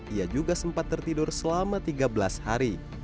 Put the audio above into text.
ia juga sempat tertidur selama tiga belas hari